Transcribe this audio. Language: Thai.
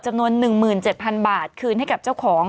จำนวน๑๗๐๐บาทคืนให้กับเจ้าของ